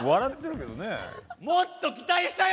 もっと期待したよ！